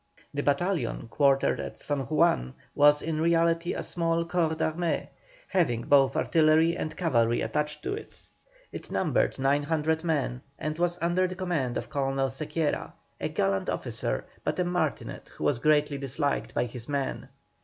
The battalion quartered at San Juan was in reality a small corps d'armée, having both artillery and cavalry attached to it. It numbered 900 men and was under the command of Colonel Sequeira, a gallant officer, but a martinet who was greatly disliked by his men.